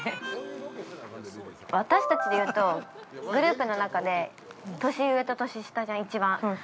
私たちで言うと、グループの中で年上と年下じゃん、一番。